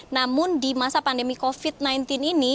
namun di masa pandemi covid sembilan belas ini